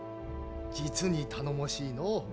実に頼もしいのう。